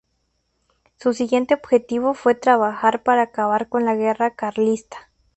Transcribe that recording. Su siguiente objetivo fue trabajar para acabar con la guerra carlista.